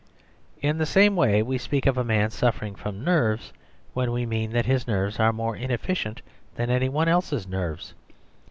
In the same way we speak of a man suffering from nerves when we mean that his nerves are more inefficient than any one else's nerves.